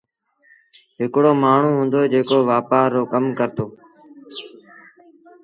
هڪڙو مآڻهوٚٚݩ هُݩدو جيڪو وآپآر رو ڪم ڪرتو